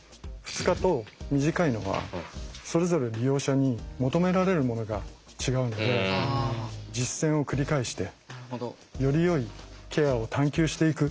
２日と短いのはそれぞれ利用者に求められるものが違うので実践を繰り返してよりよいケアを探求していく。